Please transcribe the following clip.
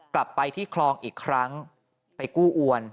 กลับไปที่คลองอีกครั้งไปกู้อวน